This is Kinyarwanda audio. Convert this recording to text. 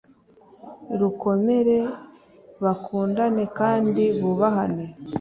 rukomere bakundane kandi bubahane